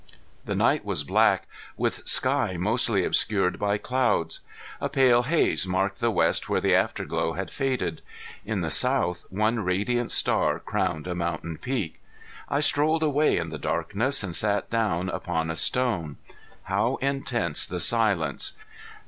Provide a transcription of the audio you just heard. The night was black, with sky mostly obscured by clouds. A pale haze marked the west where the after glow had faded; in the south one radiant star crowned a mountain peak. I strolled away in the darkness and sat down upon a stone. How intense the silence!